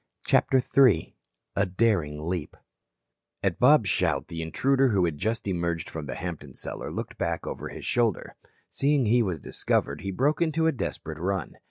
CHAPTER III A DARING LEAP At Bob's shout the intruder who had just emerged from the Hampton cellar looked back over his shoulder. Seeing he was discovered he broke into a desperate run.